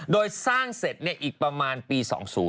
โดยสร้างเสร็จเนี่ยอีกประมาณปี๒๐๒๐